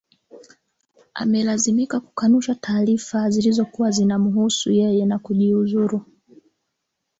amelazimika kukanusha taarifa zilizokuwa zinamhuzisha yeye na kujiuzulu